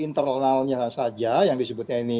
internalnya saja yang disebutnya ini